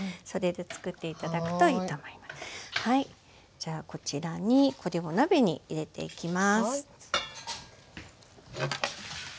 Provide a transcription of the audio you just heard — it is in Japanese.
じゃあこちらにこれを鍋に入れていきます。